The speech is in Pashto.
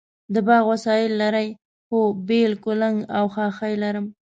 د باغ وسایل لرئ؟ هو، بیل، کلنګ او خاښۍ لرم